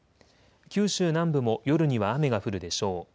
九州南部も夜には雨が降るでしょう。